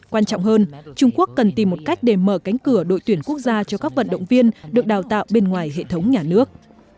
quan trọng hơn trung quốc cần tìm một cách để mở cánh cửa đội tuyển quốc gia cho các vận động viên được đào tạo bên ngoài hệ thống nhà nước